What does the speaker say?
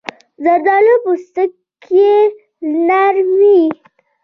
زردالو پوستکی نرم وي.